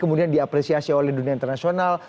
kemudian diapresiasi oleh dunia internasional